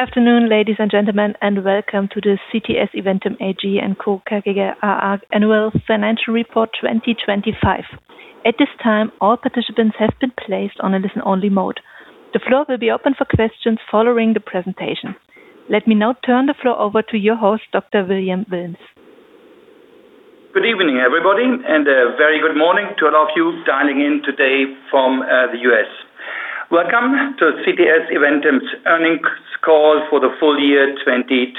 Afternoon, ladies and gentlemen, and welcome to the CTS Eventim AG annual financial report 2025. At this time, all participants have been placed on a listen-only mode. The floor will be open for questions following the presentation. Let me now turn the floor over to your host, Dr. William Willms. Good evening, everybody, and a very good morning to all of you dialing in today from the U.S. Welcome to CTS Eventim's earnings call for the full year 2025.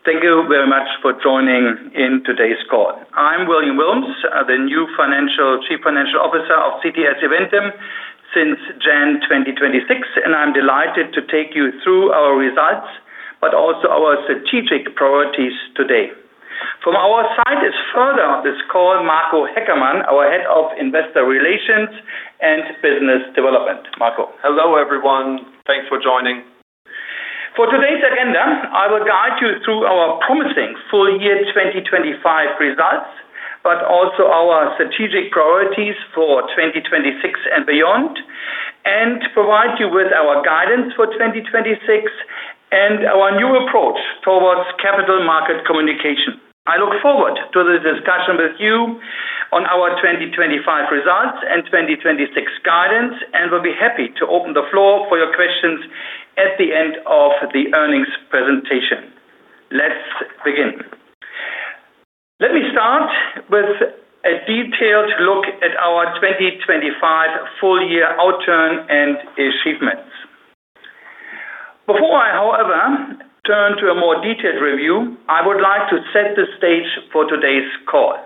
Thank you very much for joining in today's call. I'm William Willms, the new Chief Financial Officer of CTS Eventim since January 2026, and I'm delighted to take you through our results, but also our strategic priorities today. From our side is further on this call, Marco Haeckermann, our head of investor relations and business development. Marco. Hello, everyone. Thanks for joining. For today's agenda, I will guide you through our promising full year 2025 results, but also our strategic priorities for 2026 and beyond, and provide you with our guidance for 2026 and our new approach towards capital market communication. I look forward to the discussion with you on our 2025 results and 2026 guidance, and we'll be happy to open the floor for your questions at the end of the earnings presentation. Let's begin. Let me start with a detailed look at our 2025 full year outturn and achievements. Before I, however, turn to a more detailed review, I would like to set the stage for today's call.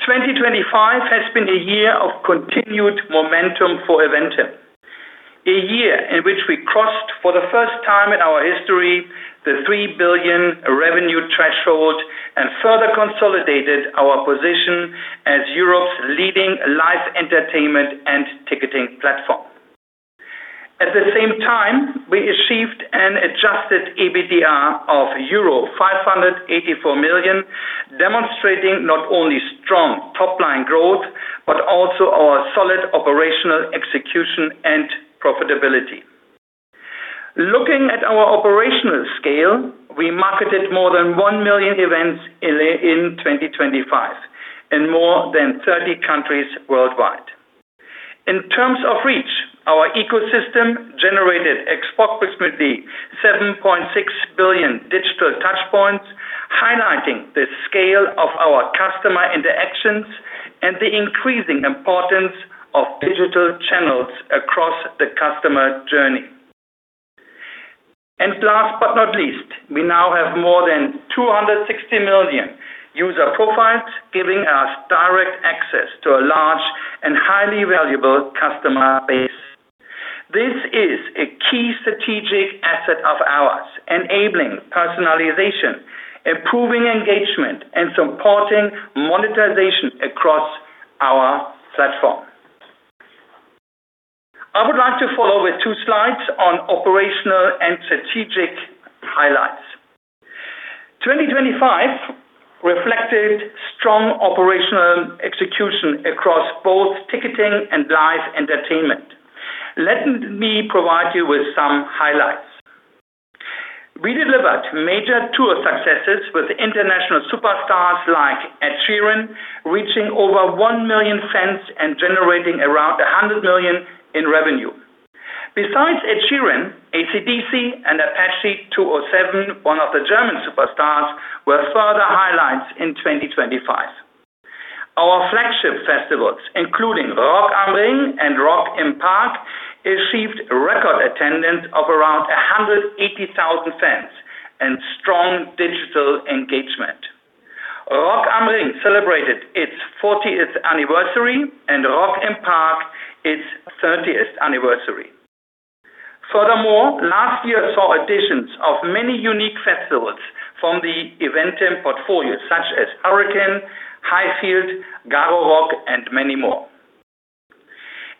2025 has been a year of continued momentum for Eventim. A year in which we crossed, for the first time in our history, the 3 billion revenue threshold and further consolidated our position as Europe's leading live entertainment and ticketing platform. At the same time, we achieved an adjusted EBITDA of euro 584 million, demonstrating not only strong top-line growth, but also our solid operational execution and profitability. Looking at our operational scale, we marketed more than 1 million events in 2025 in more than 30 countries worldwide. In terms of reach, our ecosystem generated approximately 7.6 billion digital touchpoints, highlighting the scale of our customer interactions and the increasing importance of digital channels across the customer journey. Last but not least, we now have more than 260 million user profiles, giving us direct access to a large and highly valuable customer base. This is a key strategic asset of ours, enabling personalization, improving engagement, and supporting monetization across our platform. I would like to follow with two slides on operational and strategic highlights. 2025 reflected strong operational execution across both ticketing and live entertainment. Let me provide you with some highlights. We delivered major tour successes with international superstars like Ed Sheeran, reaching over 1 million fans and generating around 100 million in revenue. Besides Ed Sheeran, AC/DC, and Apache 207, one of the German superstars, were further highlights in 2025. Our flagship festivals, including Rock am Ring and Rock im Park, achieved record attendance of around 180,000 fans and strong digital engagement. Rock am Ring celebrated its 40th anniversary and Rock im Park its 30th anniversary. Furthermore, last year saw additions of many unique festivals from the Eventim portfolio, such as Hurricane, Highfield, Garorock, and many more.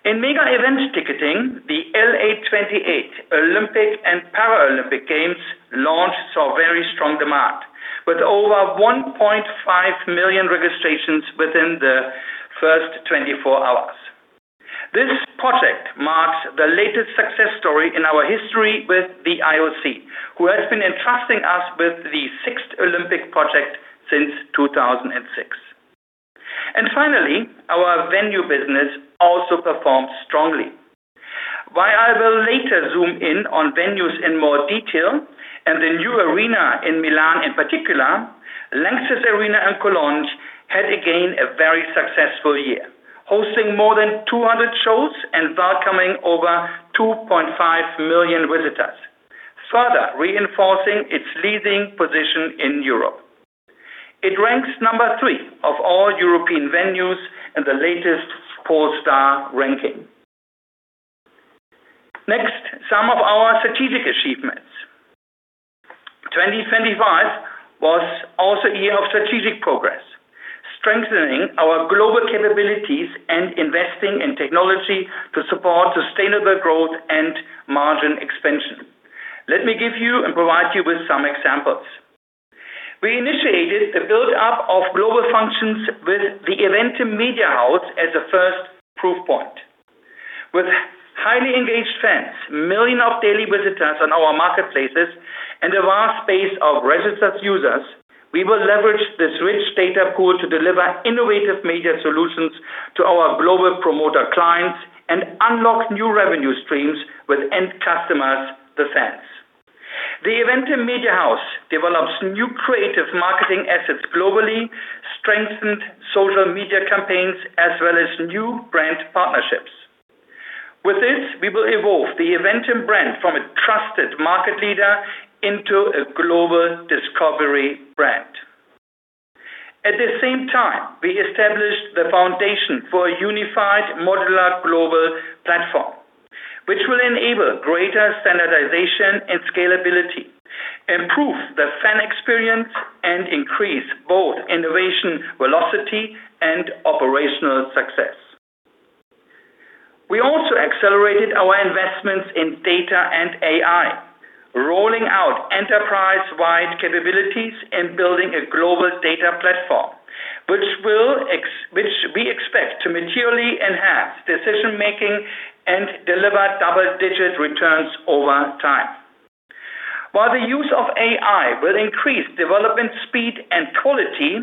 In mega event ticketing, the LA28 Olympic and Paralympic Games launch saw very strong demand, with over 1.5 million registrations within the first 24 hours. This project marks the latest success story in our history with the IOC, who has been entrusting us with the sixth Olympic project since 2006. Finally, our venue business also performed strongly. While I will later zoom in on venues in more detail and the new arena in Milan in particular, Lanxess Arena in Cologne had again a very successful year, hosting more than 200 shows and welcoming over 2.5 million visitors, further reinforcing its leading position in Europe. It ranks number three of all European venues in the latest Pollstar ranking. Next, some of our strategic achievements. 2025 was also a year of strategic progress, strengthening our global capabilities and investing in technology to support sustainable growth and margin expansion. Let me give you and provide you with some examples. We initiated the build-up of global functions with the Eventim Media House as a first proof point. With highly engaged fans, millions of daily visitors on our marketplaces, and a vast base of registered users, we will leverage this rich data pool to deliver innovative media solutions to our global promoter clients and unlock new revenue streams with end customers, the fans. The Eventim Media House develops new creative marketing assets globally, strengthened social media campaigns, as well as new brand partnerships. With this, we will evolve the Eventim brand from a trusted market leader into a global discovery brand. At the same time, we established the foundation for a unified modular global platform, which will enable greater standardization and scalability, improve the fan experience, and increase both innovation velocity and operational success. We also accelerated our investments in data and AI, rolling out enterprise-wide capabilities and building a global data platform, which we expect to materially enhance decision-making and deliver double-digit returns over time. While the use of AI will increase development speed and quality,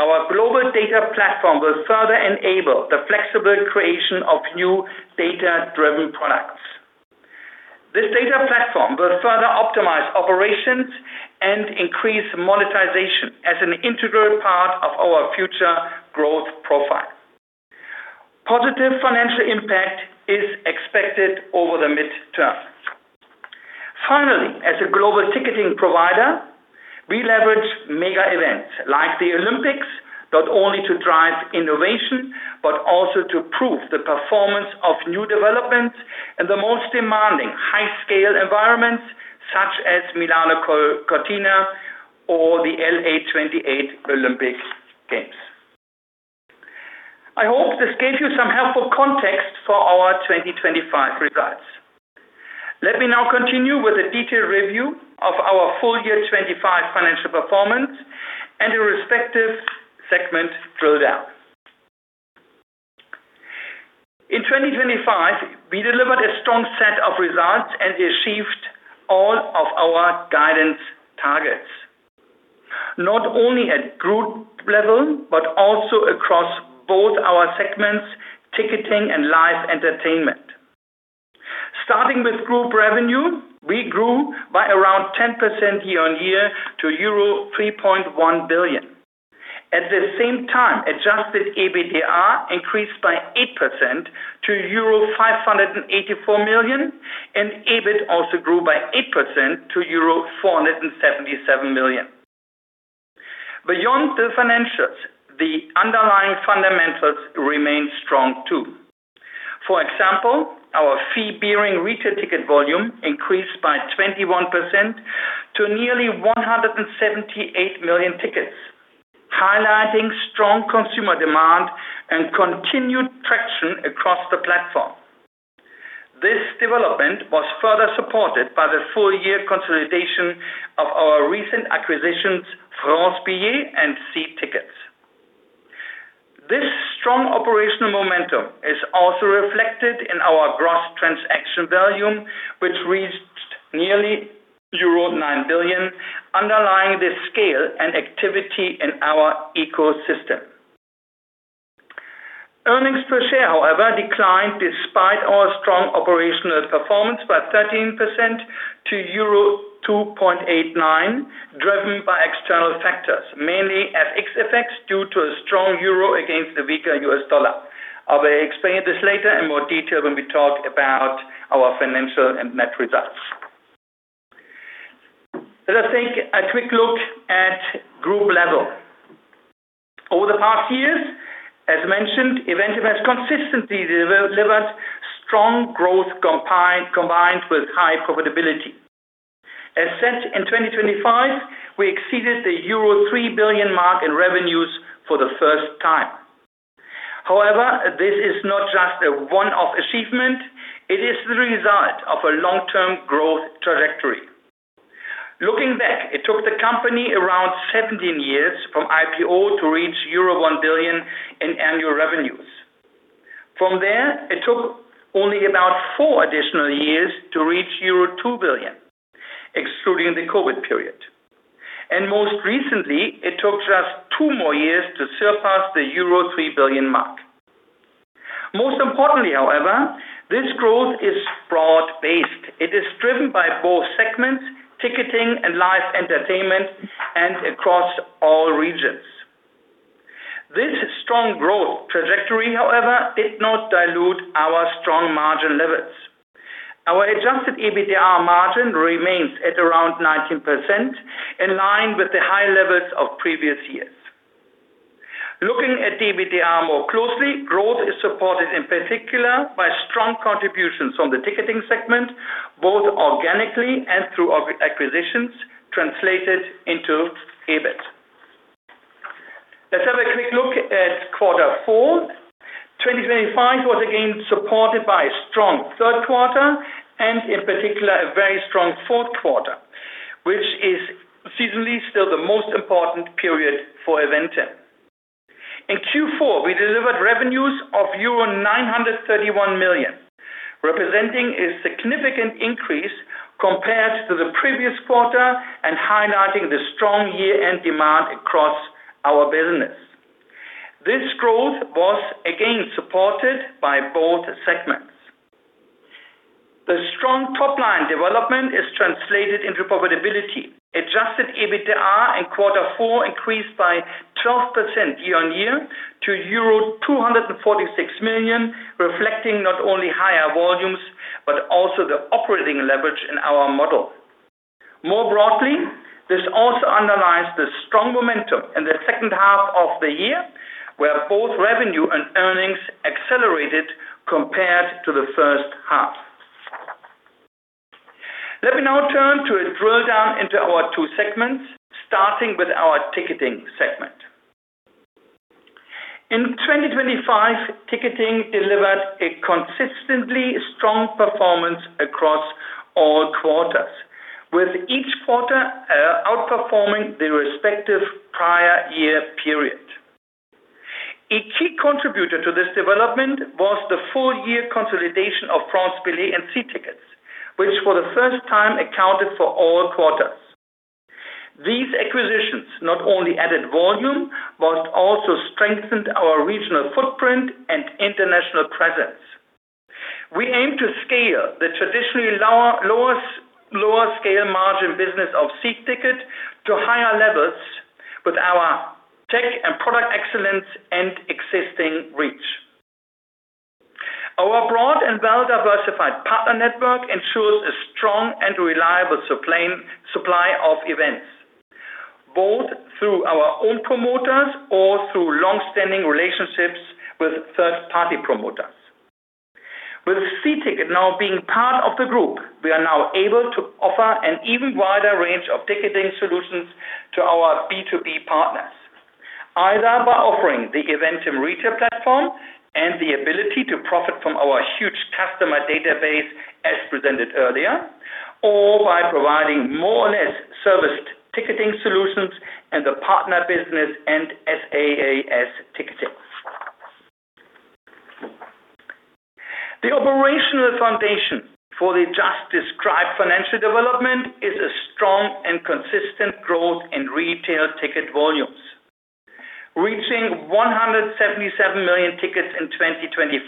our global data platform will further enable the flexible creation of new data-driven products. This data platform will further optimize operations and increase monetization as an integral part of our future growth profile. Positive financial impact is expected over the midterm. Finally, as a global ticketing provider, we leverage mega events like the Olympics, not only to drive innovation, but also to prove the performance of new developments in the most demanding high-scale environments such as Milano-Cortina or the LA28 Olympic Games. I hope this gave you some helpful context for our 2025 results. Let me now continue with a detailed review of our full year 2025 financial performance and the respective segment drill down. In 2025, we delivered a strong set of results and achieved all of our guidance targets, not only at group level, but also across both our segments, ticketing and live entertainment. Starting with group revenue, we grew by around 10% year-on-year to EUR 3.1 billion. Adjusted EBITDA increased by 8% to euro 584 million, and EBIT also grew by 8% to euro 477 million. Beyond the financials, the underlying fundamentals remain strong too. For example, our fee bearing retail ticket volume increased by 21% to nearly 178 million tickets, highlighting strong consumer demand and continued traction across the platform. This development was further supported by the full year consolidation of our recent acquisitions, France Billet and See Tickets. This strong operational momentum is also reflected in our gross transaction volume, which reached nearly euro 9 billion, underlining the scale and activity in our ecosystem. Earnings per share, however, declined despite our strong operational performance by 13% to euro 2.89, driven by external factors, mainly FX effects due to a strong euro against the weaker US dollar. I will explain this later in more detail when we talk about our financial and net results. Let us take a quick look at group level. Over the past years, as mentioned, Eventim has consistently delivered strong growth combined with high profitability. As such, in 2025, we exceeded the euro 3 billion mark in revenues for the first time. However, this is not just a one-off achievement, it is the result of a long-term growth trajectory. Looking back, it took the company around 17 years from IPO to reach euro 1 billion in annual revenues. From there, it took only about four additional years to reach euro 2 billion, excluding the COVID period. Most recently, it took just two more years to surpass the euro 3 billion mark. Most importantly, however, this growth is broad-based. It is driven by both segments, ticketing and live entertainment, and across all regions. This strong growth trajectory, however, did not dilute our strong margin levels. Our adjusted EBITDA margin remains at around 19%, in line with the high levels of previous years. Looking at the EBITDA more closely, growth is supported in particular by strong contributions from the ticketing segment, both organically and through acquisitions translated into EBIT. Let's have a quick look at Q4. 2025 was again supported by a strong Q3 and in particular, a very strong Q4, which is seasonally still the most important period for Eventim. In Q4, we delivered revenues of euro 931 million, representing a significant increase compared to the previous quarter and highlighting the strong year-end demand across our business. This growth was again supported by both segments. The strong top-line development is translated into profitability. Adjusted EBITDA in Q4 increased by 12% year-on-year to euro 246 million, reflecting not only higher volumes, but also the operating leverage in our model. More broadly, this also underlines the strong momentum in the H2 of the year, where both revenue and earnings accelerated compared to the H1. Let me now turn to a drill down into our two segments, starting with our ticketing segment. In 2025, ticketing delivered a consistently strong performance across all quarters, with each quarter outperforming the respective prior year period. A key contributor to this development was the full year consolidation of France Billet and See Tickets, which for the first time accounted for all quarters. These acquisitions not only added volume, but also strengthened our regional footprint and international presence. We aim to scale the traditionally lower scale margin business of See Tickets to higher levels with our tech and product excellence and existing reach. Our broad and well-diversified partner network ensures a strong and reliable supply of events, both through our own promoters or through long-standing relationships with third-party promoters. With See Tickets now being part of the group, we are now able to offer an even wider range of ticketing solutions to our B2B partners, either by offering the Eventim retail platform and the ability to profit from our huge customer database as presented earlier, or by providing more or less serviced ticketing solutions and the partner business and SaaS ticketing. The operational foundation for the just described financial development is a strong and consistent growth in retail ticket volumes, reaching 177 million tickets in 2025,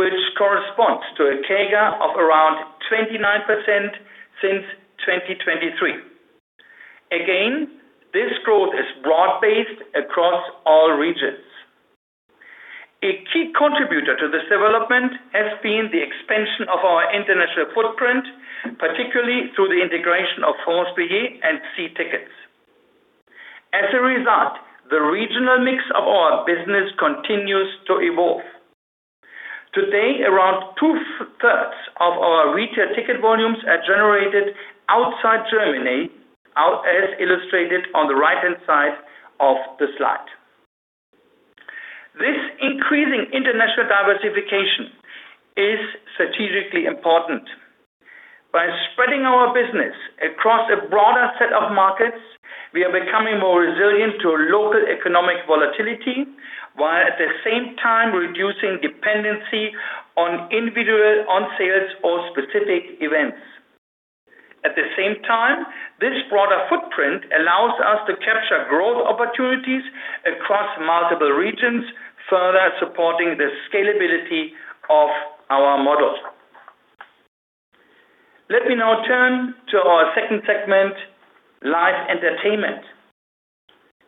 which corresponds to a CAGR of around 29% since 2023. Again, this growth is broad-based across all regions. A key contributor to this development has been the expansion of our international footprint, particularly through the integration of France Billet and See Tickets. As a result, the regional mix of our business continues to evolve. Today, around 2/3 of our retail ticket volumes are generated outside Germany, as illustrated on the right-hand side of the slide. This increasing international diversification is strategically important. By spreading our business across a broader set of markets, we are becoming more resilient to local economic volatility, while at the same time reducing dependency on individual, on sales or specific events. At the same time, this broader footprint allows us to capture growth opportunities across multiple regions, further supporting the scalability of our models. Let me now turn to our second segment, Live Entertainment.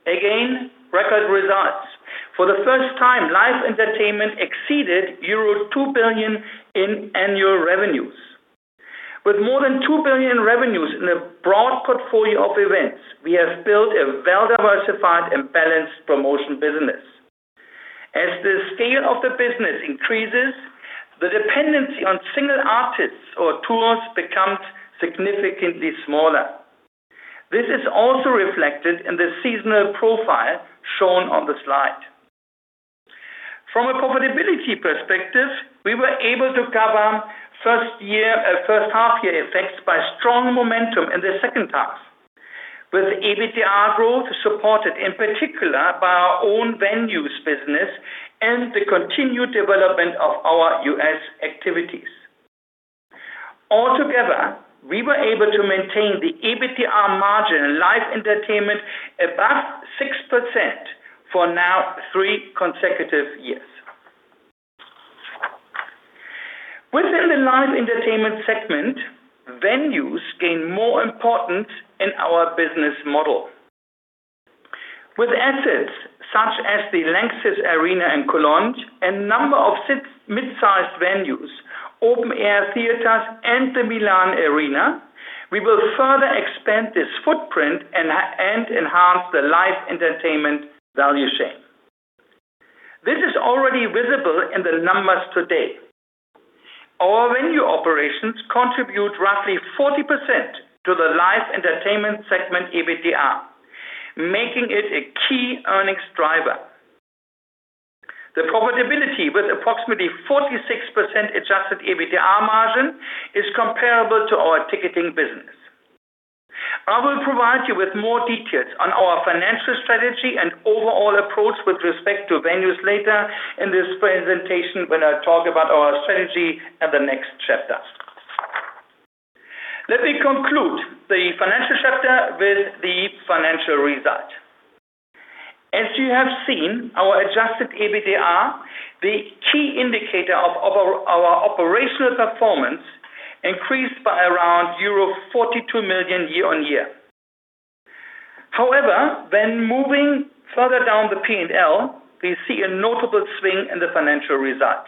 Again, record results. For the first time, Live Entertainment exceeded euro 2 billion in annual revenues. With more than 2 billion revenues in a broad portfolio of events, we have built a well-diversified and balanced promotion business. As the scale of the business increases, the dependency on single artists or tours becomes significantly smaller. This is also reflected in the seasonal profile shown on the slide. From a profitability perspective, we were able to cover H1 year effects by strong momentum in the H2, with EBITDA growth supported in particular by our own venues business and the continued development of our U.S. activities. Altogether, we were able to maintain the EBITDA margin in Live Entertainment above 6% for now three consecutive years. Within the Live Entertainment segment, venues gain more importance in our business model. With assets such as the Lanxess Arena in Cologne and six mid-sized venues, open-air theaters and the Milan Arena, we will further expand this footprint and enhance the Live Entertainment value chain. This is already visible in the numbers today. Our venue operations contribute roughly 40% to the Live Entertainment segment EBITDA, making it a key earnings driver. The profitability, with approximately 46% adjusted EBITDA margin, is comparable to our ticketing business. I will provide you with more details on our financial strategy and overall approach with respect to venues later in this presentation when I talk about our strategy in the next chapter. Let me conclude the financial chapter with the financial result. As you have seen, our adjusted EBITDA, the key indicator of our operational performance, increased by around 42 million year-on-year. However, when moving further down the P&L, we see a notable swing in the financial result.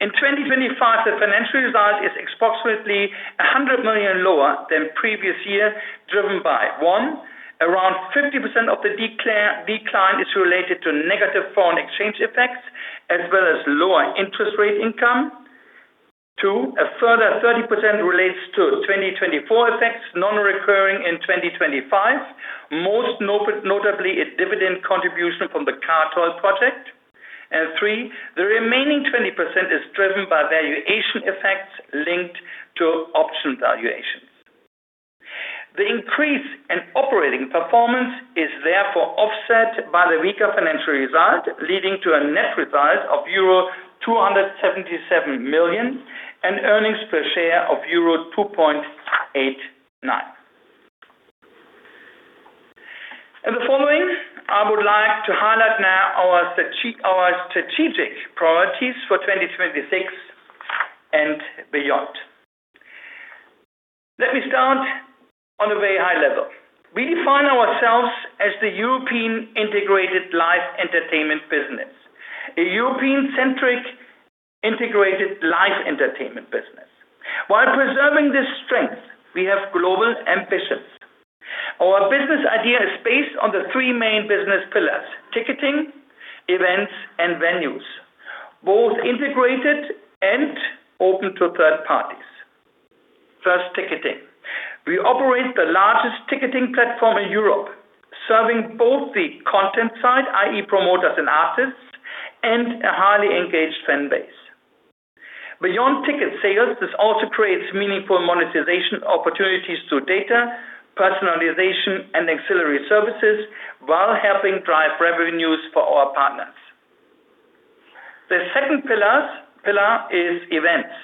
In 2025, the financial result is approximately 100 million lower than previous year, driven by, one, around 50% of the decline is related to negative foreign exchange effects as well as lower interest rate income. Two, a further 30% relates to 2024 effects non-recurring in 2025. Most notably a dividend contribution from the Cartell project. Three, the remaining 20% is driven by valuation effects linked to option valuations. The increase in operating performance is therefore offset by the weaker financial result, leading to a net result of euro 277 million and earnings per share of euro 2.89. In the following, I would like to highlight now our strategic priorities for 2026 and beyond. Let me start on a very high level. We define ourselves as the European integrated live entertainment business, a European-centric integrated live entertainment business. While preserving this strength, we have global ambitions. Our business idea is based on the three main business pillars: ticketing, events, and venues, both integrated and open to third parties. First, ticketing. We operate the largest ticketing platform in Europe, serving both the content side, i.e. promoters and artists, and a highly engaged fan base. Beyond ticket sales, this also creates meaningful monetization opportunities through data, personalization, and auxiliary services while helping drive revenues for our partners. The second pillar is events.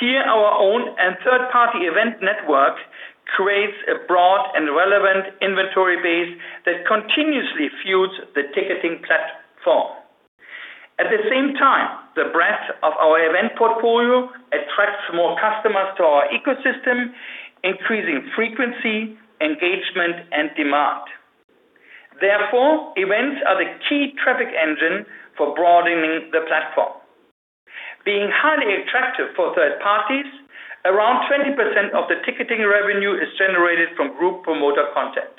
Here, our own and third-party event network creates a broad and relevant inventory base that continuously fuels the ticketing platform. At the same time, the breadth of our event portfolio attracts more customers to our ecosystem, increasing frequency, engagement, and demand. Therefore, events are the key traffic engine for broadening the platform. Being highly attractive for third parties, around 20% of the ticketing revenue is generated from group promoter content.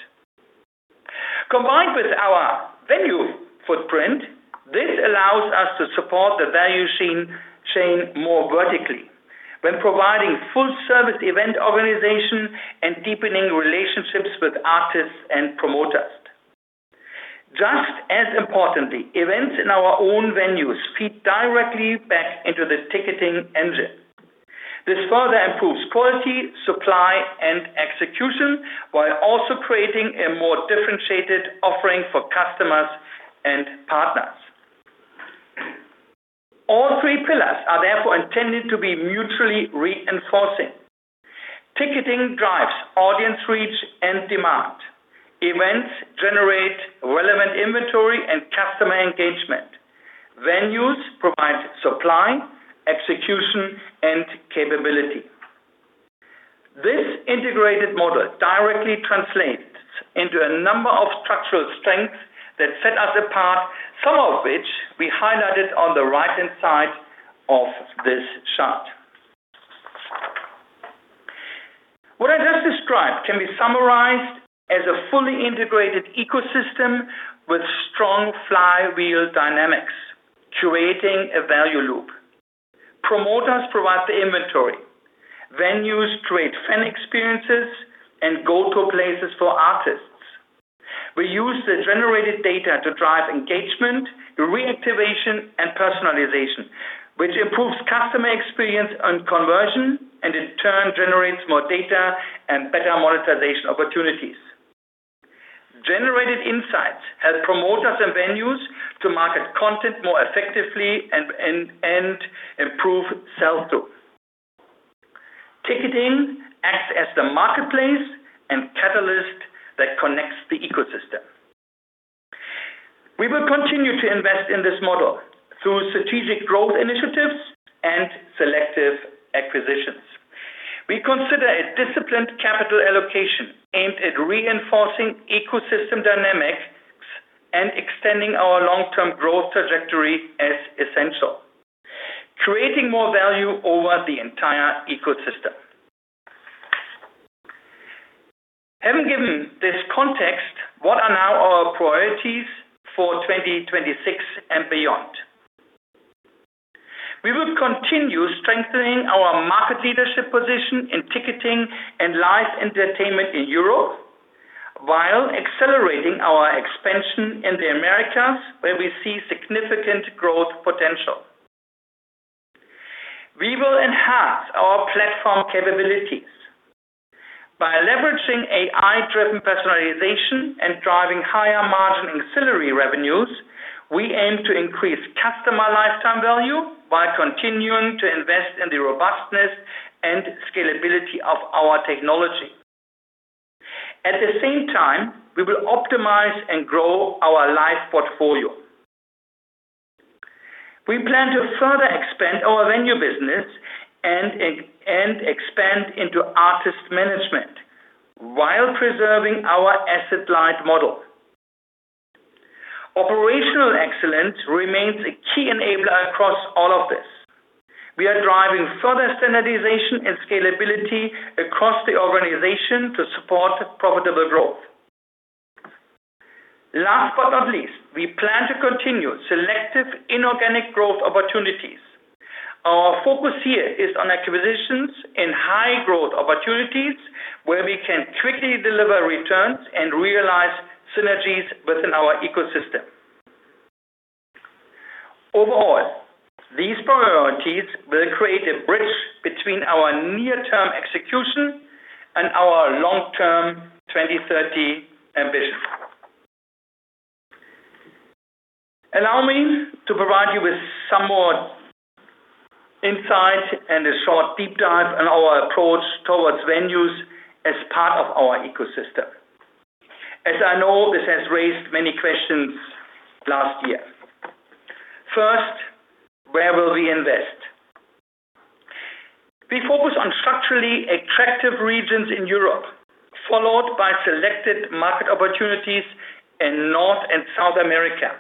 Combined with our venue footprint, this allows us to support the value chain more vertically when providing full-service event organization and deepening relationships with artists and promoters. Just as importantly, events in our own venues feed directly back into the ticketing engine. This further improves quality, supply, and execution while also creating a more differentiated offering for customers and partners. All three pillars are therefore intended to be mutually reinforcing. Ticketing drives audience reach and demand. Events generate relevant inventory and customer engagement. Venues provide supply, execution, and capability. This integrated model directly translates into a number of structural strengths that set us apart, some of which we highlighted on the right-hand side of this chart. What I just described can be summarized as a fully integrated ecosystem with strong flywheel dynamics, curating a value loop. Promoters provide the inventory. Venues create fan experiences and go-to places for artists. We use the generated data to drive engagement, reactivation, and personalization, which improves customer experience and conversion, and in turn generates more data and better monetization opportunities. Generated insights help promoters and venues to market content more effectively and improve sell-through. Ticketing acts as the marketplace and catalyst that connects the ecosystem. We will continue to invest in this model through strategic growth initiatives and selective acquisitions. We consider a disciplined capital allocation aimed at reinforcing ecosystem dynamics and extending our long-term growth trajectory as essential, creating more value over the entire ecosystem. Having given this context, what are now our priorities for 2026 and beyond? We will continue strengthening our market leadership position in ticketing and live entertainment in Europe while accelerating our expansion in the Americas, where we see significant growth potential. We will enhance our platform capabilities. By leveraging AI-driven personalization and driving higher-margin ancillary revenues, we aim to increase customer lifetime value by continuing to invest in the robustness and scalability of our technology. At the same time, we will optimize and grow our live portfolio. We plan to further expand our venue business and expand into artist management while preserving our asset-light model. Operational excellence remains a key enabler across all of this. We are driving further standardization and scalability across the organization to support profitable growth. Last but not least, we plan to continue selective inorganic growth opportunities. Our focus here is on acquisitions and high-growth opportunities where we can quickly deliver returns and realize synergies within our ecosystem. Overall, these priorities will create a bridge between our near-term execution and our long-term 2030 ambition. Allow me to provide you with some more insight and a short deep dive on our approach towards venues as part of our ecosystem, as I know this has raised many questions last year. First, where will we invest? We focus on structurally attractive regions in Europe, followed by selected market opportunities in North and South America.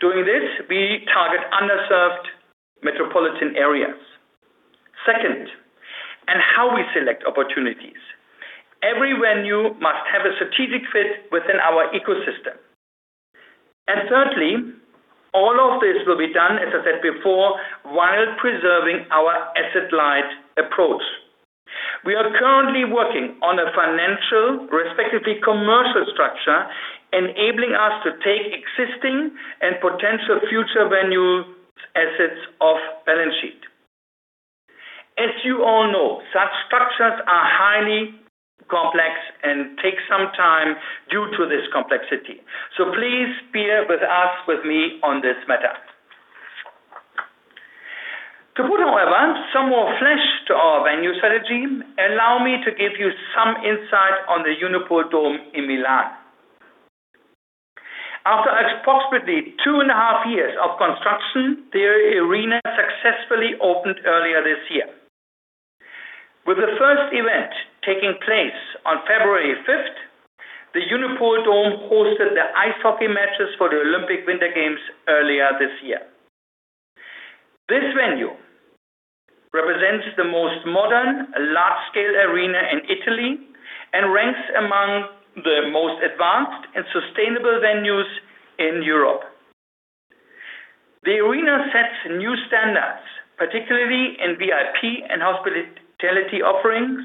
Doing this, we target underserved metropolitan areas. Second, and how we select opportunities. Every venue must have a strategic fit within our ecosystem. Thirdly, all of this will be done, as I said before, while preserving our asset-light approach. We are currently working on a financial, respectively commercial structure, enabling us to take existing and potential future venue assets off balance sheet. As you all know, such structures are highly complex and take some time due to this complexity, so please bear with us, with me on this matter. To put, however, some more flesh to our venue strategy, allow me to give you some insight on the Unipol Dome in Milan. After approximately two and a half years of construction, the arena successfully opened earlier this year. With the first event taking place on February 5, the Unipol Dome hosted the ice hockey matches for the Olympic Winter Games earlier this year. This venue represents the most modern large-scale arena in Italy and ranks among the most advanced and sustainable venues in Europe. The arena sets new standards, particularly in VIP and hospitality offerings,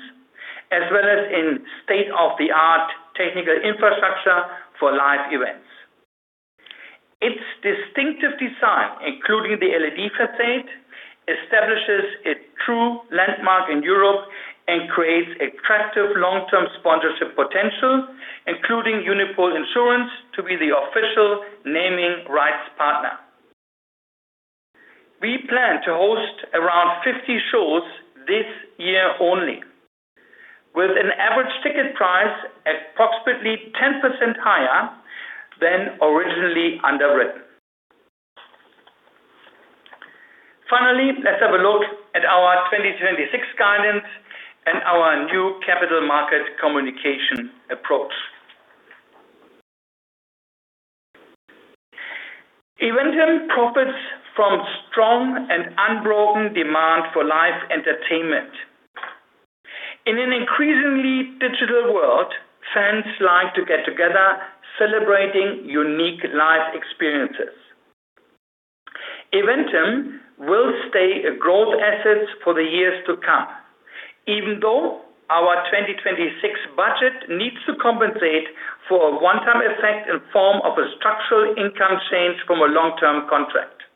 as well as in state-of-the-art technical infrastructure for live events. Its distinctive design, including the LED facade, establishes a true landmark in Europe and creates attractive long-term sponsorship potential, including Unipol Insurance to be the official naming rights partner. We plan to host around 50 shows this year only, with an average ticket price approximately 10% higher than originally underwritten. Finally, let's have a look at our 2026 guidance and our new capital market communication approach. Eventim profits from strong and unbroken demand for live entertainment. In an increasingly digital world, fans like to get together, celebrating unique live experiences. Eventim will stay a growth asset for the years to come, even though our 2026 budget needs to compensate for a one-time effect in form of a structural income change from a long-term contract.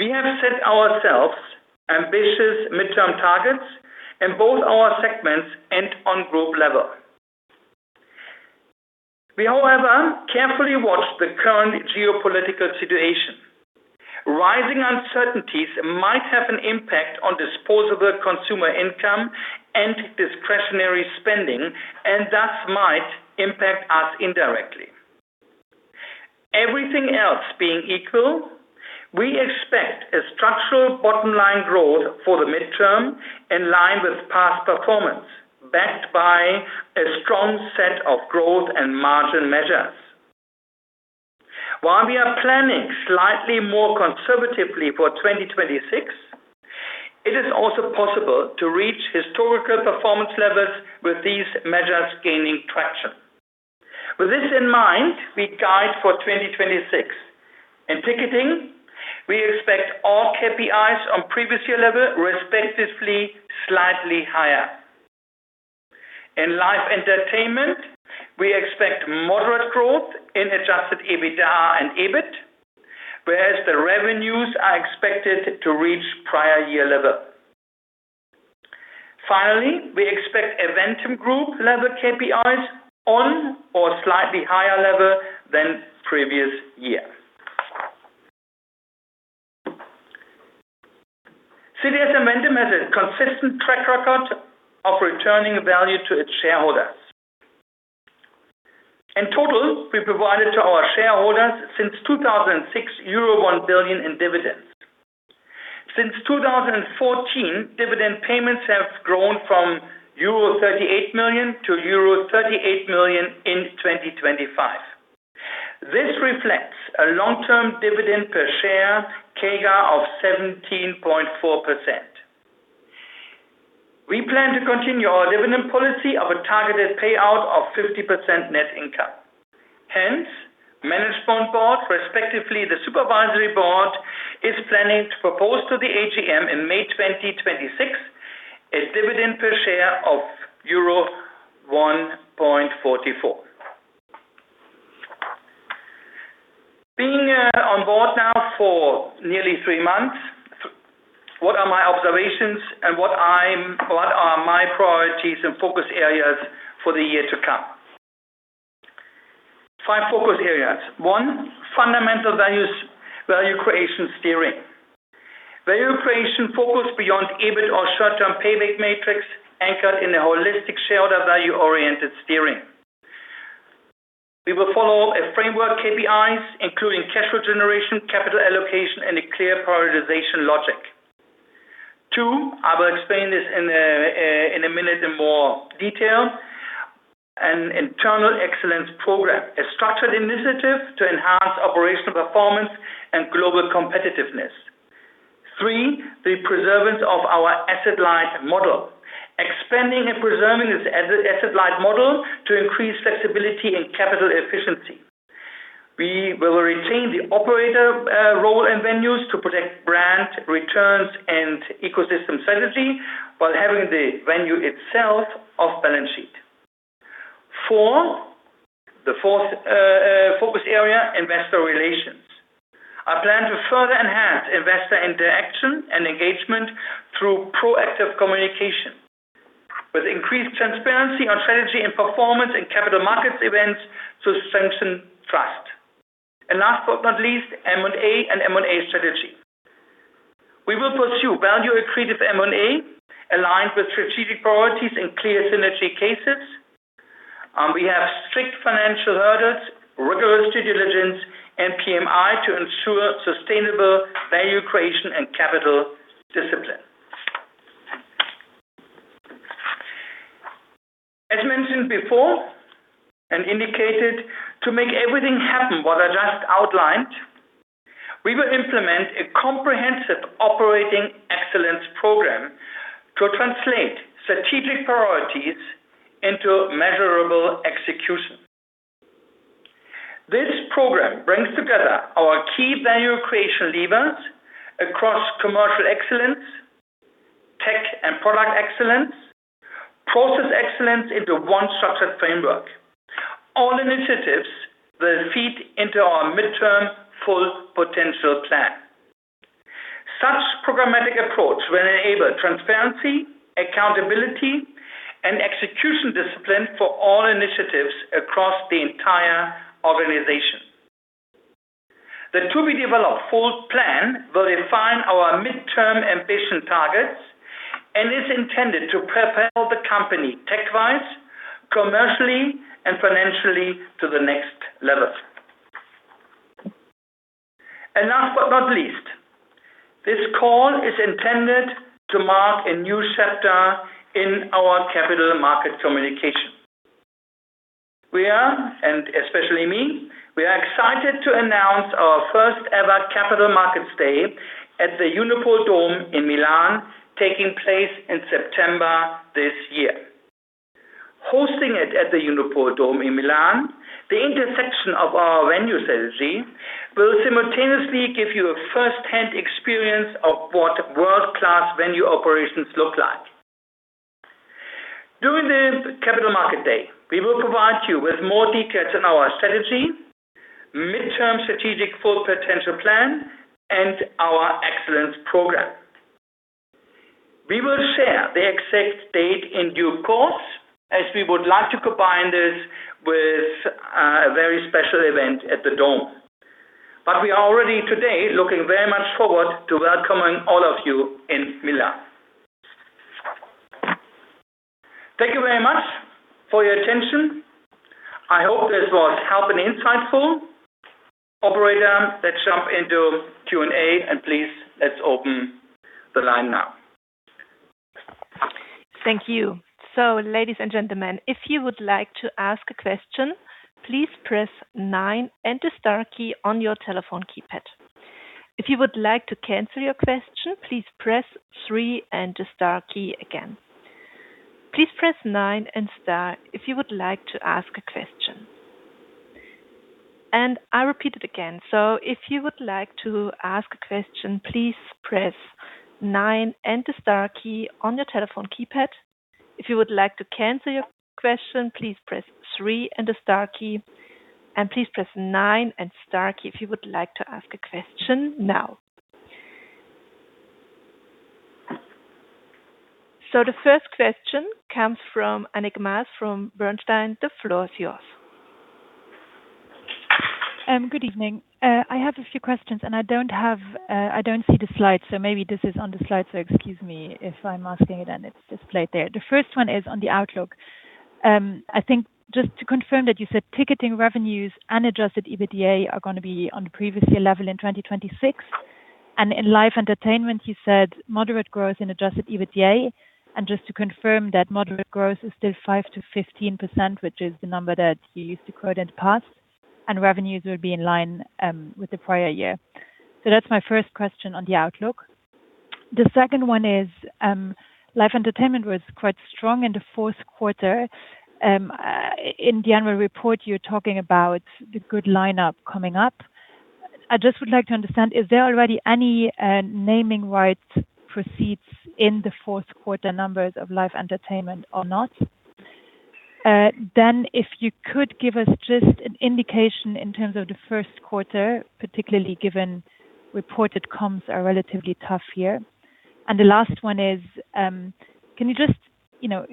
We have set ourselves ambitious midterm targets in both our segments and on group level. We, however, carefully watch the current geopolitical situation. Rising uncertainties might have an impact on disposable consumer income and discretionary spending, and thus might impact us indirectly. Everything else being equal, we expect a structural bottom line growth for the midterm in line with past performance, backed by a strong set of growth and margin measures. While we are planning slightly more conservatively for 2026, it is also possible to reach historical performance levels with these measures gaining traction. With this in mind, we guide for 2026. In ticketing, we expect all KPIs on previous year level, respectively, slightly higher. In live entertainment, we expect moderate growth in adjusted EBITDA and EBIT, whereas the revenues are expected to reach prior year level. Finally, we expect Eventim group level KPIs on or slightly higher level than previous year. CTS Eventim has a consistent track record of returning value to its shareholders. In total, we provided to our shareholders since 2006 1 billion in dividends. Since 2014, dividend payments have grown from euro 38 million to euro 38 million in 2025. This reflects a long-term dividend per share CAGR of 17.4%. We plan to continue our dividend policy of a targeted payout of 50% net income. Hence, Management Board, respectively, the Supervisory Board, is planning to propose to the AGM in May 2026 a dividend per share of euro 1.44. Being on board now for nearly three months, what are my observations and what are my priorities and focus areas for the year to come? Five focus areas. One, fundamental values, value creation steering. Value creation focused beyond EBIT or short-term payback metrics anchored in a holistic shareholder value-oriented steering. We will follow a framework KPIs, including cash flow generation, capital allocation, and a clear prioritization logic. Two, I will explain this in a minute in more detail. An internal excellence program, a structured initiative to enhance operational performance and global competitiveness. Three, the preservation of our asset-light model. Expanding and preserving this as an asset-light model to increase flexibility and capital efficiency. We will retain the operator role and venues to protect brand returns and ecosystem strategy while having the venue itself off balance sheet. Four, the fourth focus area, investor relations. I plan to further enhance investor interaction and engagement through proactive communication with increased transparency on strategy and performance in capital markets events to strengthen trust. Last but not least, M&A and M&A strategy. We will pursue value-accretive M&A aligned with strategic priorities in clear synergy cases. We have strict financial hurdles, rigorous due diligence, and PMI to ensure sustainable value creation and capital discipline. As mentioned before and indicated, to make everything happen what I just outlined, we will implement a comprehensive operating excellence program to translate strategic priorities into measurable execution. This program brings together our key value creation levers across commercial excellence, tech and product excellence, process excellence into one structured framework. All initiatives will feed into our midterm full potential plan. Such programmatic approach will enable transparency, accountability, and execution discipline for all initiatives across the entire organization. The to-be-developed full plan will define our midterm ambition targets and is intended to prepare the company tech-wise, commercially, and financially to the next level. Last but not least, this call is intended to mark a new chapter in our capital market communication. We are, and especially me, we are excited to announce our first ever Capital Markets Day at the Unipol Dome in Milan, taking place in September this year. Hosting it at the Unipol Dome in Milan, the intersection of our venue strategy will simultaneously give you a first-hand experience of what world-class venue operations look like. During the Capital Markets Day, we will provide you with more details on our strategy, midterm strategic full potential plan, and our excellence program. We will share the exact date in due course, as we would like to combine this with a very special event at the Dome. We are already today looking very much forward to welcoming all of you in Milan. Thank you very much for your attention. I hope this was helpful and insightful. Operator, let's jump into Q&A, and please let's open the line now. Thank you. So, ladies and gentlemen, if you would like to ask a question, please press nine and the star key on your telephone keypad. If you would like to cancel your question, please press three and the star key again. Please press nine and star if you would like to ask a question. And i repeat it again, so if you would like to ask a question, please press nine and the star key on your telephone keypad. If you would like to cancel your question, please press three and the star key. And please press nine and star if you would like to ask a question now. So, the first question comes from Annick Maas from Bernstein. The floor is yours. Good evening. I have a few questions, and I don't see the slides, so maybe this is on the slides. Excuse me if I'm asking it and it's displayed there. The first one is on the outlook. I think just to confirm that you said ticketing revenues and adjusted EBITDA are gonna be on previous year level in 2026. In live entertainment, you said moderate growth in adjusted EBITDA. Just to confirm that moderate growth is still 5%-15%, which is the number that you used to quote in the past, and revenues would be in line with the prior year. That's my first question on the outlook. The second one is, live entertainment was quite strong in the Q4. In the annual report, you're talking about the good lineup coming up. I just would like to understand, is there already any naming rights proceeds in the Q4 numbers of live entertainment or not? Then if you could give us just an indication in terms of the Q1, particularly given reported comps are relatively tough year. The last one is, can you just, you know,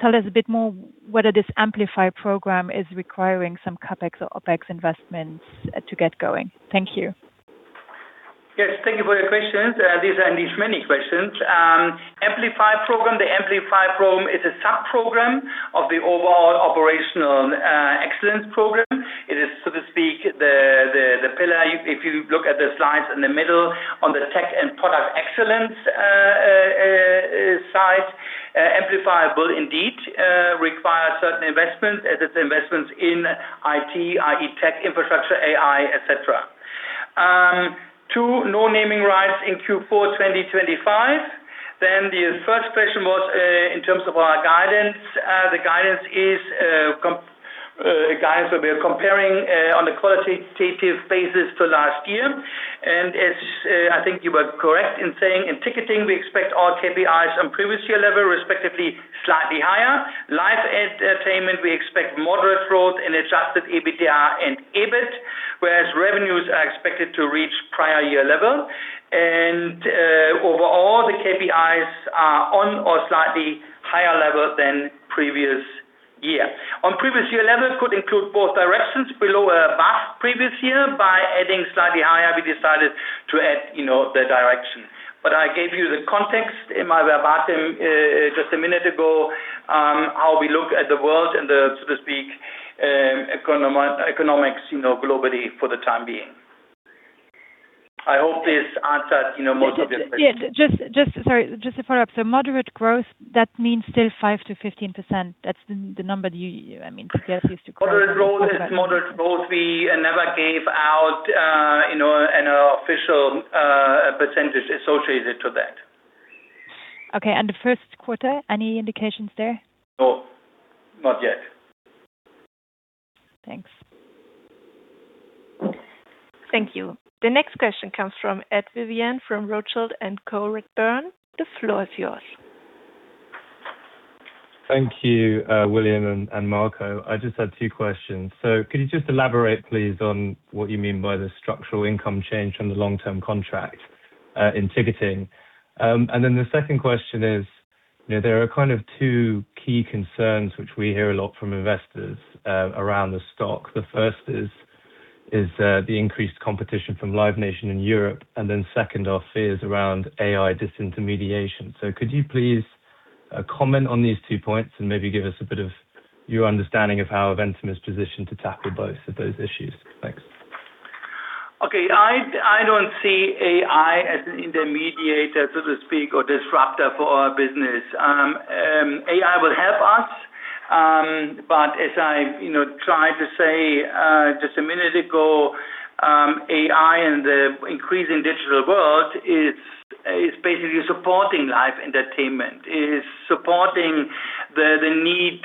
tell us a bit more whether this Amplify program is requiring some CapEx or OpEx investments to get going? Thank you. Yes. Thank you for your questions. These are indeed many questions. Amplify program. The Amplify program is a sub-program of the overall operational excellence program. It is, so to speak, the pillar, if you look at the slides in the middle on the tech and product excellence side. Amplify will indeed require certain investments as it's investments in IT, i.e. tech, infrastructure, AI, et cetera. Two, no naming rights in Q4 2025. Then the third question was, in terms of our guidance. The guidance will be comparing on a qualitative basis to last year. As I think you were correct in saying in ticketing, we expect all KPIs on previous year level, respectively, slightly higher. Live entertainment, we expect moderate growth in adjusted EBITDA and EBIT, whereas revenues are expected to reach prior year level. Overall, the KPIs are on or slightly higher level than previous year. On previous year levels could include both directions below our past previous year. By adding slightly higher, we decided to add, you know, the direction. I gave you the context in my verbatim just a minute ago how we look at the world and the, so to speak, economics, you know, globally for the time being. I hope this answered, you know, most of your questions. Yeah. Sorry, just to follow up. Moderate growth, that means still 5%-15%. That's the number you, I mean, you guys used to quote. Moderate growth is moderate growth. We never gave out, you know, an official percentage associated to that. Okay. The Q1, any indications there? No. Not yet. Thanks. Thank you. The next question comes from Ed Vyvyan from Rothschild & Co Redburn. The floor is yours. Thank you, William Willms and Marco Haeckermann. I just had two questions. Could you just elaborate, please, on what you mean by the structural income change from the long-term contract in ticketing? And then the second question is, you know, there are kind of two key concerns which we hear a lot from investors around the stock. The first is the increased competition from Live Nation in Europe, and then second are fears around AI disintermediation. Could you please comment on these two points and maybe give us a bit of your understanding of how Eventim is positioned to tackle both of those issues? Thanks. Okay. I don't see AI as an intermediator, so to speak, or disruptor for our business. AI will help us, but as I, you know, tried to say just a minute ago, AI and the increasing digital world is basically supporting live entertainment. It is supporting the need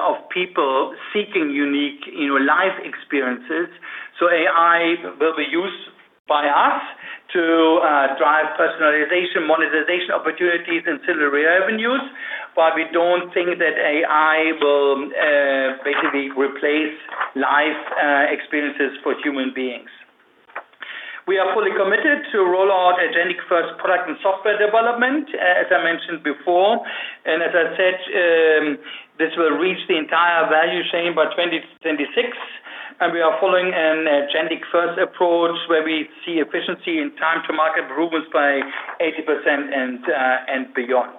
of people seeking unique, you know, live experiences. AI will be used by us to drive personalization, monetization opportunities, and ancillary revenues. We don't think that AI will basically replace live experiences for human beings. We are fully committed to roll out agentic-first product and software development as I mentioned before. As I said, this will reach the entire value chain by 2026, and we are following an agentic-first approach where we see efficiency and time to market improves by 80% and beyond.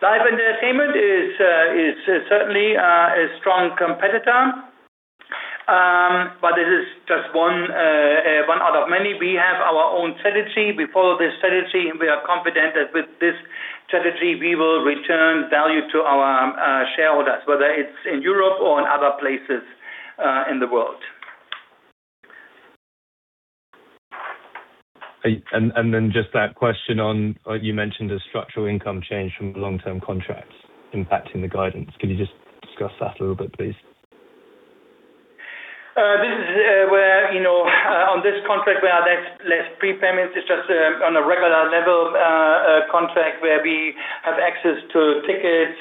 Live entertainment is certainly a strong competitor. Just one out of many. We have our own strategy. We follow this strategy, and we are confident that with this strategy, we will return value to our shareholders, whether it's in Europe or in other places in the world. Just that question on you mentioned a structural income change from long-term contracts impacting the guidance. Can you just discuss that a little bit, please? This is where, you know, on this contract where there's less prepayments. It's just on a regular level contract where we have access to tickets.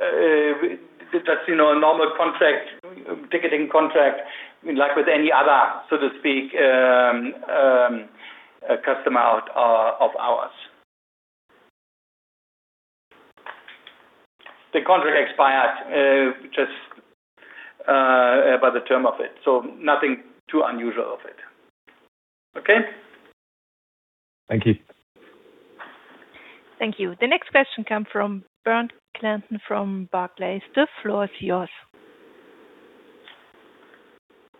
Just, you know, a normal contract, ticketing contract, like with any other, so to speak, customer of ours. The contract expired just by the term of it, so nothing too unusual of it. Okay? Thank you. Thank you. The next question comes from Bernd Klanten from Barclays. The floor is yours.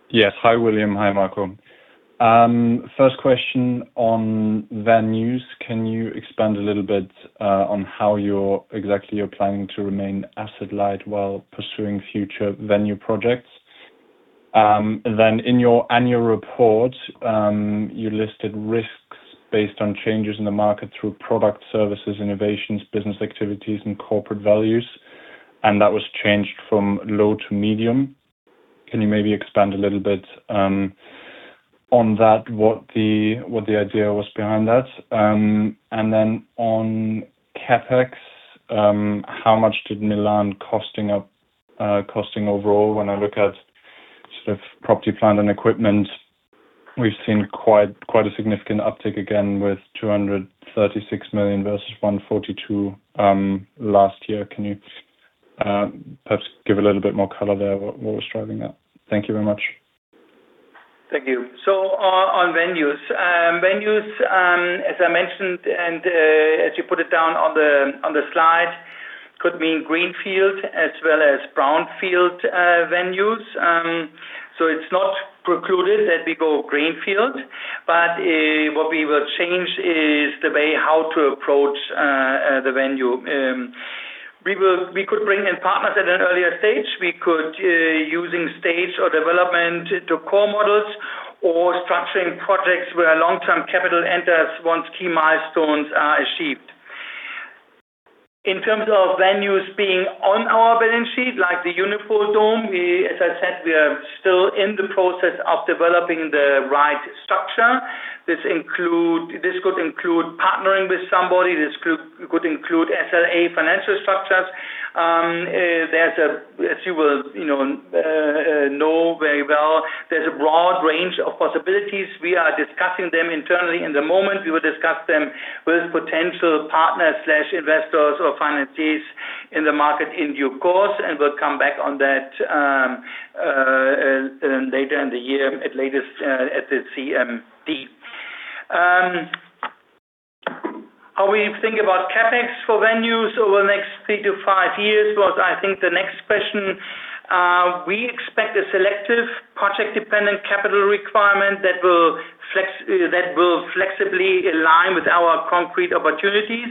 Yes. Hi, William. Hi, Marco. First question on venues. Can you expand a little bit on how exactly you're planning to remain asset-light while pursuing future venue projects? Then in your annual report, you listed risks based on changes in the market through product services, innovations, business activities, and corporate values, and that was changed from low to medium. Can you maybe expand a little bit on that, what the idea was behind that? On CapEx, how much did Milan costing overall when I look at sort of property, plant, and equipment. We've seen quite a significant uptick again with 236 million versus 142 last year. Can you perhaps give a little bit more color there what was driving that? Thank you very much. Thank you. On venues. Venues, as I mentioned, as you put it down on the slide, could mean greenfield as well as brownfield venues. It's not precluded that we go greenfield, but what we will change is the way how to approach the venue. We could bring in partners at an earlier stage. We could use stage or development to core models or structuring projects where long-term capital enters once key milestones are achieved. In terms of venues being on our balance sheet, like the Unipol Dome, as I said, we are still in the process of developing the right structure. This could include partnering with somebody. This could include sale-leaseback financial structures. As you will, you know very well, there's a broad range of possibilities. We are discussing them internally in the moment. We will discuss them with potential partners, investors or financiers in the market in due course, and we'll come back on that later in the year, at latest, at the CMD. How we think about CapEx for venues over the next three years- five years was, I think, the next question. We expect a selective project-dependent capital requirement that will flexibly align with our concrete opportunities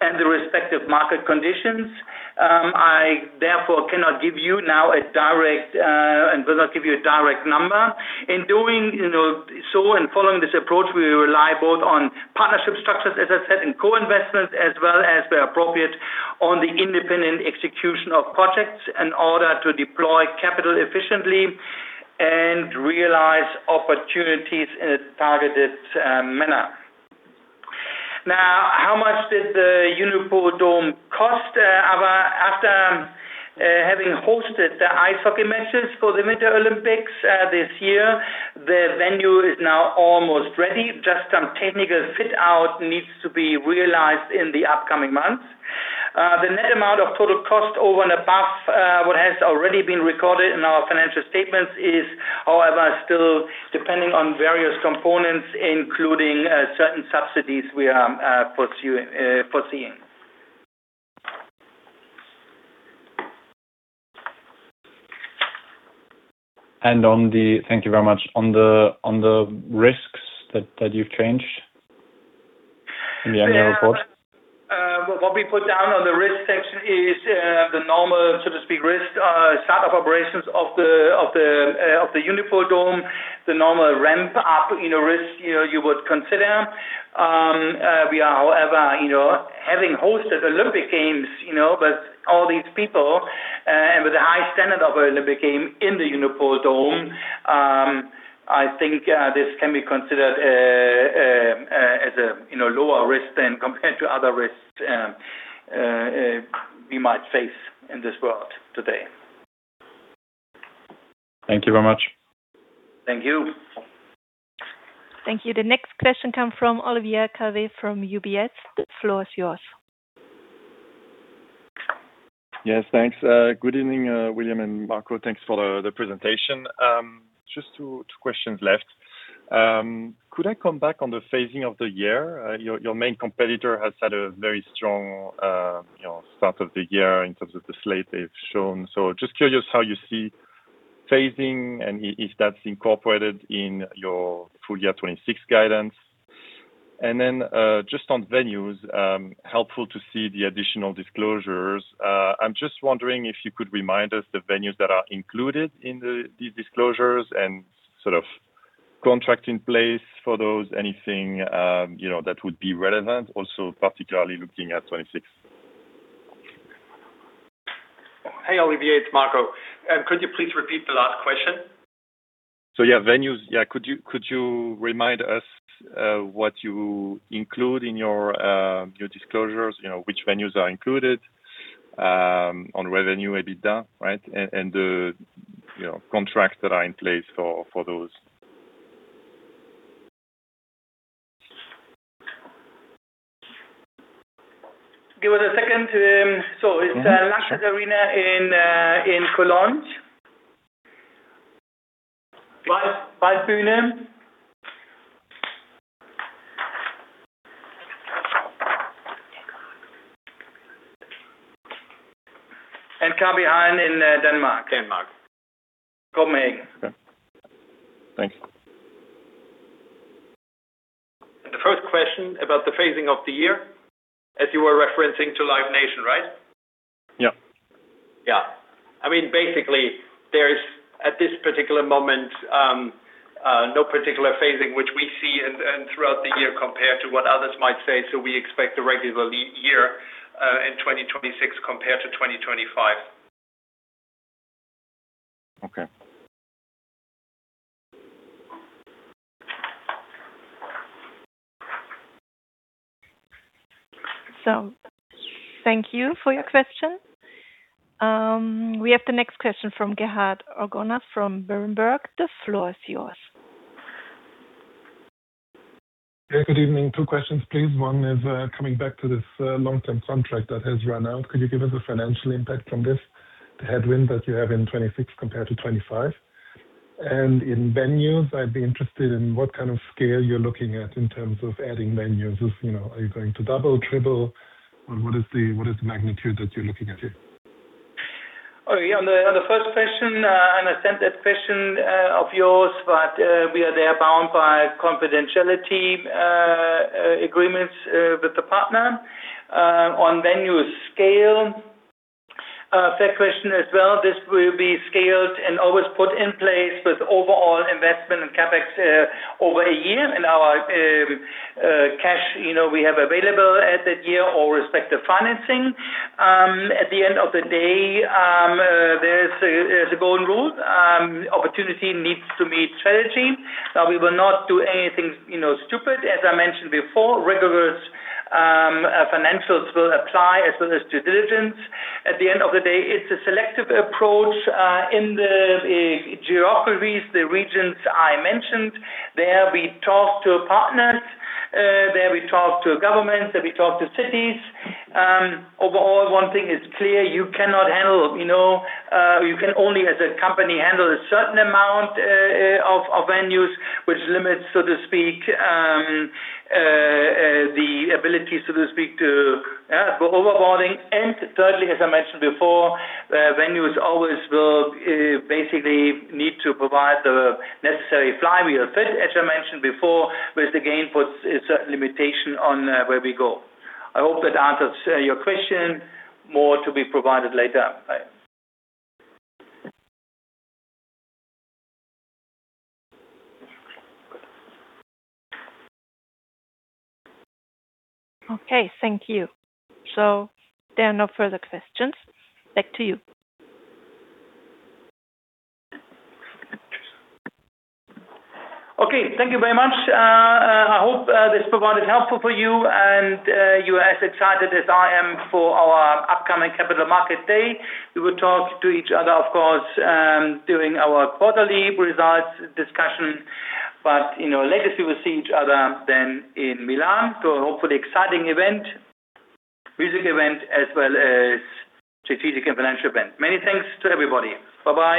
and the respective market conditions. I therefore cannot give you now a direct and will not give you a direct number. In doing so and following this approach, we rely both on partnership structures, as I said, and co-investments, as well as where appropriate on the independent execution of projects in order to deploy capital efficiently and realize opportunities in a targeted manner. Now, how much did the Unipol Dome cost? However, after having hosted the ice hockey matches for the Winter Olympics this year, the venue is now almost ready. Just some technical fit-out needs to be realized in the upcoming months. The net amount of total cost over and above what has already been recorded in our financial statements is, however, still depending on various components, including certain subsidies we are pursuing, foreseeing. Thank you very much. On the risks that you've changed in the annual report. Yeah. What we put down on the risk section is the normal, so to speak, risk start-up operations of the Unipol Dome. The normal ramp-up, you know, risk you would consider. We are, however, you know, having hosted Olympic Games, you know, with all these people and with the high standard of Olympic Game in the Unipol Dome. I think this can be considered as a, you know, lower risk than compared to other risks we might face in this world today. Thank you very much. Thank you. Thank you. The next question comes from Olivier Calvet from UBS. The floor is yours. Yes, thanks. Good evening, William and Marco. Thanks for the presentation. Just two questions left. Could I come back on the phasing of the year? Your main competitor has had a very strong, you know, start of the year in terms of the slate they've shown. Just curious how you see phasing and if that's incorporated in your full year 2026 guidance. Just on venues, helpful to see the additional disclosures. I'm just wondering if you could remind us the venues that are included in these disclosures and sort of contract in place for those, anything, you know, that would be relevant, also particularly looking at 2026. Hey, Olivier, it's Marco. Could you please repeat the last question? Yeah, venues. Yeah. Could you remind us what you include in your disclosures, you know, which venues are included on revenue, EBITDA, right, and the contracts that are in place for those. It's LANXESS Arena in Cologne. Waldbühne. K.B. Hallen in Denmark. Denmark. Copenhagen. Okay. Thanks. The first question about the phasing of the year, as you were referencing to Live Nation, right? Yeah. Yeah. I mean, basically, there is at this particular moment no particular phasing which we see and throughout the year compared to what others might say. We expect a regular year in 2026 compared to 2025. Okay. Thank you for your question. We have the next question from Gerhard Orgonas from Berenberg. The floor is yours. Good evening. Two questions, please. One is coming back to this long-term contract that has run out. Could you give us a financial impact from this, the headwind that you have in 2026 compared to 2025? In venues, I'd be interested in what kind of scale you're looking at in terms of adding venues. If you know, are you going to double, triple, or what is the magnitude that you're looking at here? Oh, yeah. On the first question, I understand that question of yours, but we are there bound by confidentiality agreements with the partner. On venue scale, fair question as well. This will be scaled and always put in place with overall investment in CapEx over a year, and our cash, you know, we have available at that year or respective financing. At the end of the day, there's a golden rule, opportunity needs to meet strategy. Now, we will not do anything, you know, stupid. As I mentioned before, rigorous financials will apply as well as due diligence. At the end of the day, it's a selective approach in the geographies, the regions I mentioned. There we talk to partners, there we talk to governments, there we talk to cities. Overall, one thing is clear, you cannot handle, you know, you can only as a company handle a certain amount of venues, which limits, so to speak, the ability, so to speak, to go overboard. Thirdly, as I mentioned before, venues always will basically need to provide the necessary flywheel fit, as I mentioned before, which again puts a certain limitation on where we go. I hope that answers your question. More to be provided later. Bye. Okay. Thank you. There are no further questions. Back to you. Okay. Thank you very much. I hope this provided helpful for you and you are as excited as I am for our upcoming Capital Markets Day. We will talk to each other, of course, during our quarterly results discussion. You know, later we will see each other then in Milan to a hopefully exciting event, music event, as well as strategic and financial event. Many thanks to everybody. Bye-bye.